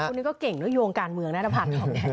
คุณนี่ก็เก่งด้วยโยงการเมืองนั่นหรือเปล่า